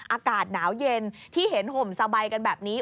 อากาศหนาวเย็นที่เห็นห่มสบายกันแบบนี้